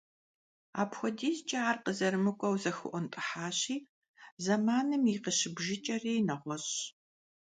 Апхуэдизу ар къызэрымыкIуэу зэхэIуэнтIыхьащи, зэманым и къыщыбжыкIэри нэгъуэщIщ.